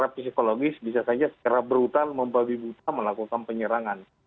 secara psikologis bisa saja secara brutal membabi buta melakukan penyerangan